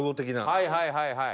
「はいはいはいはい。